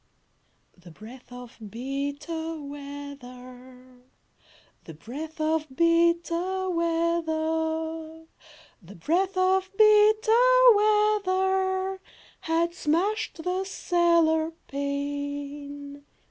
The breath of bitter weather, The breath of bitter weather, The breath of bitter weather, Had smashed the cellar pane.